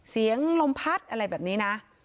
เสียงลมพัดอะไรแบบนี้นะ